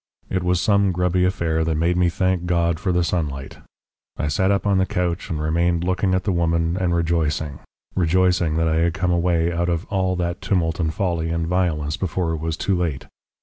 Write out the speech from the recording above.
It was some grubby affair that made me thank God for the sunlight. I sat up on the couch and remained looking at the woman and rejoicing rejoicing that I had come away out of all that tumult and folly and violence before it was too late.